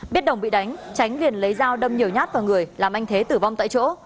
biết đồng bị đánh tránh việt lấy dao đâm nhiều nhát vào người làm anh thế tử vong tại chỗ